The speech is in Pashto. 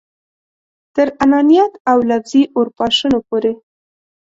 تر انانیت او لفظي اورپاشنو پورې.